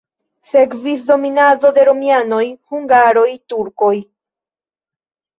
Sekvis dominado de romianoj, hungaroj, turkoj.